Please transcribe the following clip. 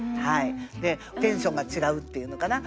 テンションが違うっていうのかな？